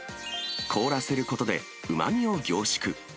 凍らせることでうまみを凝縮。